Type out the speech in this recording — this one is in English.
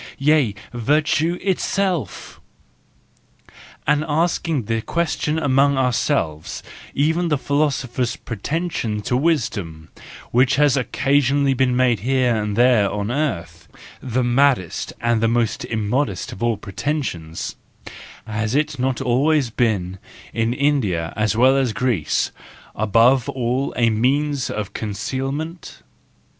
Yea, virtue itself !—And asking the question among ourselves, even the philosopher's pretension to wisdom, which has occasionally been made here and there on the earth, the maddest and most immodest of all pretensions,—has it not always been, in India as well as in Greece, above all a means of concealment